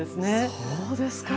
そうですか！